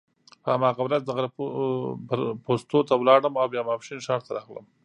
په هماغه ورځ د غره پوستو ته ولاړم او بیا ماپښین ښار ته راغلم.